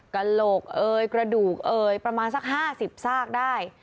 กระโหลกเอยกระดูกเอ่ยประมาณสัก๕๐ซากได้